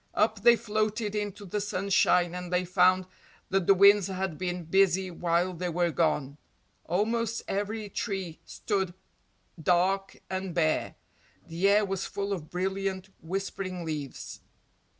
Up they floated into the sunshine and they found that the winds had been busy while they were gone. Almost every tree stood dark and bare the air was full of brilliant, whispering leaves.